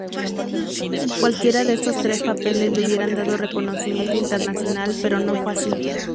Cualquiera de estos tres papeles le hubieran dado reconocimiento internacional, pero no fue así.